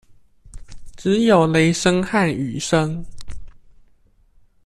只有雷聲和雨聲